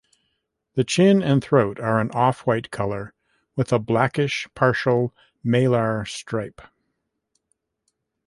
The chin and throat are an off-white color with a blackish partial malar stripe.